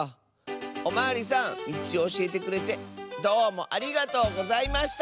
おまわりさんみちをおしえてくれてどうもありがとうございました！